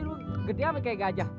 kok kayak mau keren lah